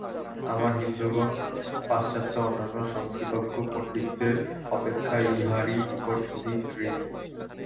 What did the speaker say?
আমরা হিন্দুগণ পাশ্চাত্য অন্যান্য সংস্কৃতজ্ঞ পণ্ডিতদের অপেক্ষা ইঁহারই নিকট অধিক ঋণী।